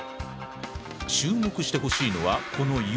注目してほしいのはこの指。